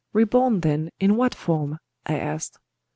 "Reborn, then, in what form?" I asked.